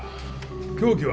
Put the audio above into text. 凶器は？